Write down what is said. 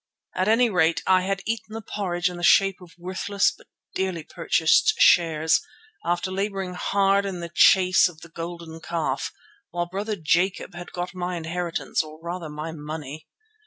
At any rate I had eaten the porridge in the shape of worthless but dearly purchased shares, after labouring hard at the chase of the golden calf, while brother Jacob had got my inheritance, or rather my money.